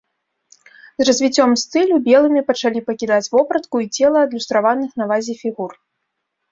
З развіццём стылю белымі пачалі пакідаць вопратку і цела адлюстраваных на вазе фігур.